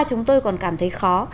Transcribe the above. chúng tôi còn cảm thấy khó